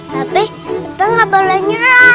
tapi kita nggak boleh nyerah